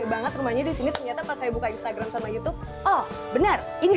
banget rumahnya disini ternyata pas saya buka instagram sama youtube oh benar ini